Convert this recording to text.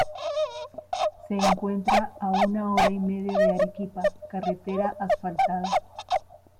Se encuentra a una hora y media de Arequipa, carretera asfaltada.